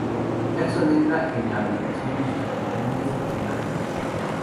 Jackson entra en la habitación y sus bailarines mirarla.